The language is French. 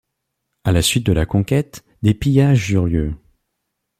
À la suite de la conquête, des pillages eurent lieu.